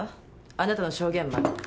あなたの証言もある。